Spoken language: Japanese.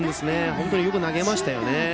本当によく投げましたね。